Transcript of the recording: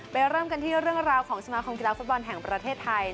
เริ่มกันที่เรื่องราวของสมาคมกีฬาฟุตบอลแห่งประเทศไทย